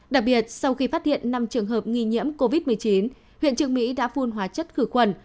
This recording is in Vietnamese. đặc biệt sau khi phát hiện năm trường hợp nghi nhiễm covid một mươi chín huyện trường mỹ đã phun hóa chất khử khuẩn